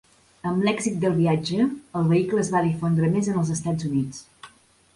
Amb l'èxit del viatge el vehicle es va difondre més en els Estats Units.